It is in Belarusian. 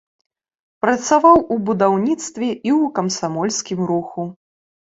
Працаваў у будаўніцтве і ў камсамольскім руху.